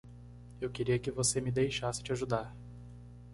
Eu queria que você me deixasse te ajudar.